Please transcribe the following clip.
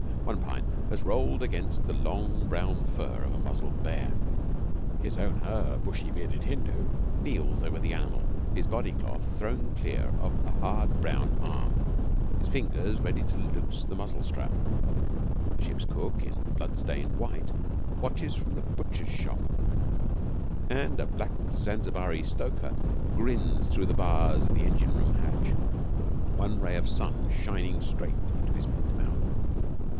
One pine has rolled against the long brown fur of a muzzled bear. His owner, a bushy bearded Hindu, kneels over the animal, his body cloth thrown clear of a hard brown arm, his fingers ready to loose the muzzle strap. The ship's cook, in blood stained white, watches from the butcher's shop, and a black Zanzibari stoker grins through the bars of the engine room hatch, one ray of sun shining straight into his pink mouth.